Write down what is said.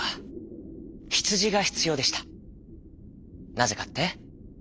なぜかって？